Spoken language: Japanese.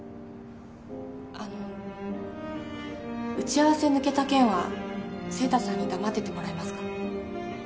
あの打ち合わせ抜けた件は晴太さんに黙っててもらえますか？